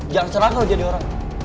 jangan cerah kalau jadi orang